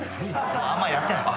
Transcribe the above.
あんまやってないです。